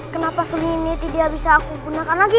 kenapa sulit ini tidak bisa aku gunakan lagi